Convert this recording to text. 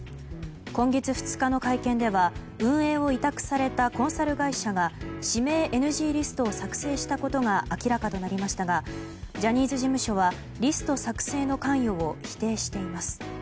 今月２日の会見では運営を委託されたコンサル会社が指名ＮＧリストを作成したことが明らかとなりましたがジャニーズ事務所はリスト作成の関与を否定しています。